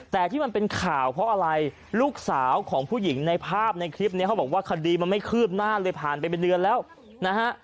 แต่ที่มันเป็นข่าวเพราะอะไรลูกสาวของผู้หญิงในภาพในคลิปนี้เขาบอกว่าคดีมันไม่คืบหน้าเลยผ่านไปเป็นเดือนแล้วนะฮะ